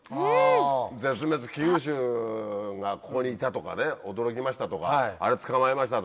「絶滅危惧種がここにいた」とかね「驚きました」とか「あれ捕まえました」とか。